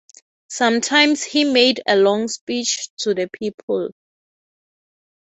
Sometimes he made a long speech to the people.